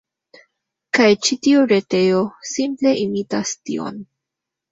Kaj ĉi tiu retejo, simple imitas tion.